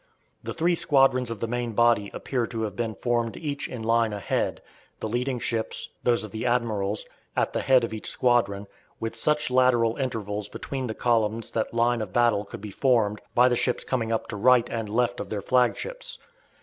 The three squadrons of the main body appear to have been formed each in line ahead, the leading ships, those of the admirals, at the head of each squadron, with such lateral intervals between the columns that line of battle could be formed, by the ships coming up to right and left of their flagships.